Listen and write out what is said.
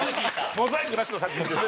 モザイクなしの作品です。